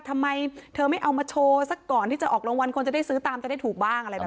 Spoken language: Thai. ทำไมเธอไม่เอามาโชว์สักก่อนที่จะออกรางวัลคนจะได้ซื้อตามจะได้ถูกบ้างอะไรแบบนี้